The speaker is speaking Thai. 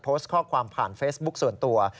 โพสต์ข้อความผ่านเฟซบุ๊คส่วนตัว